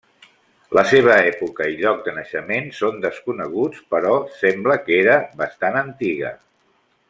La seva època i lloc de naixement són desconeguts, però sembla que era bastant antiga.